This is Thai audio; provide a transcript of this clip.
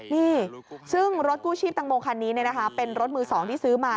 นี่ซึ่งรถกู้ชีพตังโมคันนี้เป็นรถมือ๒ที่ซื้อมา